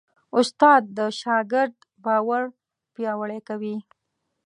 استاد د شاګرد باور پیاوړی کوي.